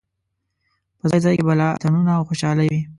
په ځای ځای کې به لا اتڼونه او خوشالۍ وې.